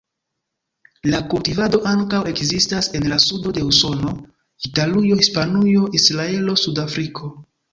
La kultivado ankaŭ ekzistas en la sudo de Usono, Italujo, Hispanujo, Israelo, Sudafriko.